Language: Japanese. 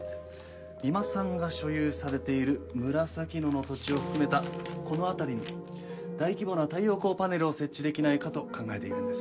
三馬さんが所有されている紫野の土地を含めたこの辺りに大規模な太陽光パネルを設置できないかと考えているんです。